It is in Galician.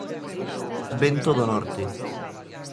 Vento do norte.